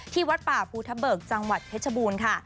ที่วัดป่าภูทเบิกจังหวัดเพชบูรณ์